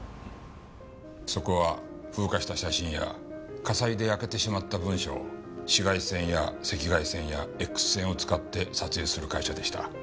そこは風化した写真や火災で焼けてしまった文書を紫外線や赤外線やＸ線を使って撮影する会社でした。